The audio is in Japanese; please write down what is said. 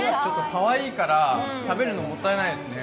かわいいから食べるのもったいないですね。